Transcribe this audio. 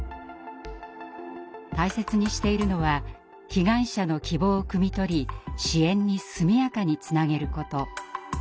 大切にしているのは被害者の希望をくみ取り支援に速やかにつなげること。